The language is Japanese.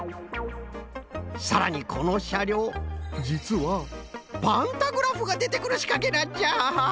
さらにこのしゃりょうじつはパンタグラフがでてくるしかけなんじゃ！